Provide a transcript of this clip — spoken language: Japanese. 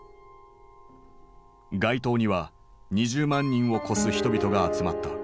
街頭には２０万人を超す人々が集まった。